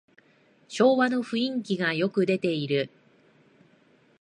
昭和の雰囲気がよく出てる